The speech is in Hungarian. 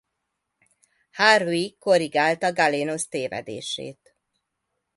Harvey korrigálta Galénosz tévedését.